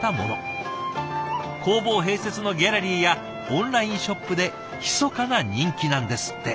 工房併設のギャラリーやオンラインショップでひそかな人気なんですって。